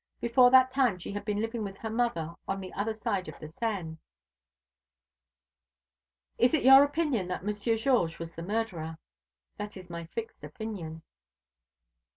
Before that time she had been living with her mother on the other side of the Seine." "Is it your opinion that Monsieur Georges was the murderer?" "That is my fixed opinion."